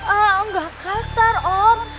eh enggak kasar om